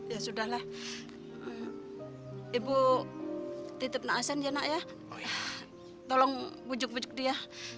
ya sudah lah ibu titip na'asan ya nak ya tolong pujuk pujuk dia